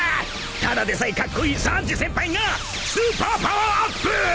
［ただでさえカッコイイサンジ先輩がスーパーパワーアップ！］